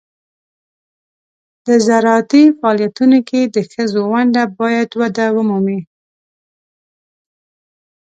د زراعتي فعالیتونو کې د ښځو ونډه باید وده ومومي.